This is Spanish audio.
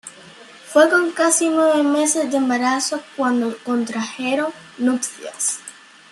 Fue con casi nueve meses de embarazo cuando contrajeron nupcias.